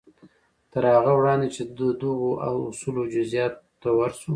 تر هغه وړاندې چې د دغو اصولو جزياتو ته ورشو.